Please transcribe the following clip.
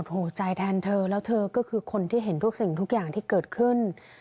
หัวใจแทนเธอแล้วเธอก็คือคนที่เห็นทุกสิ่งทุกอย่างที่เกิดขึ้น